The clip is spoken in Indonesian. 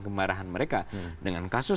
kemarahan mereka dengan kasus